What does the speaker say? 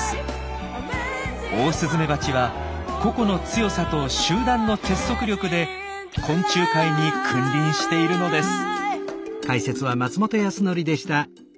オオスズメバチは個々の強さと集団の結束力で昆虫界に君臨しているのです。